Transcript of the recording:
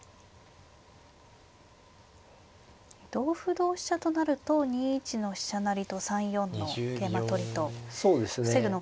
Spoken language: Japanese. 同歩同飛車となると２一の飛車成りと３四の桂馬取りと防ぐのが難しいんですね。